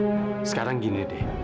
ma sekarang gini deh